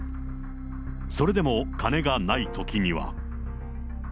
それでも金がないときには。